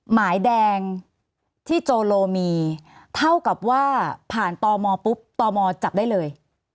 หมายแดงที่โจโลมีเท่ากับว่าผ่านตมปุ๊บตมจับได้เลย